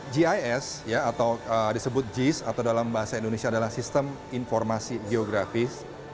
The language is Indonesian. gis atau disebut jis atau dalam bahasa indonesia adalah sistem informasi geografis